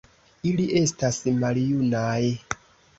Ili estas maljunaj.